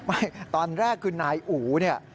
ไม่ตอนแรกคือนายอู๋นี่